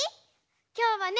きょうはね